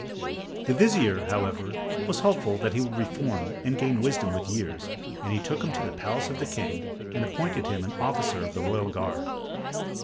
The vizier, however, was hopeful that he would reform and gain wisdom with years, and he took him to the palace of the king and appointed him an officer of the royal guard.